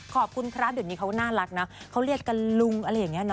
ขอบคุณครับเดี๋ยวนี้เขาน่ารักนะเขาเรียกกันลุงอะไรอย่างนี้เน